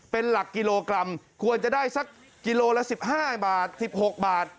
เป็นหลักกิโลกรัมควรจะได้สักกิโลละ๑๕บาท๑๖บาท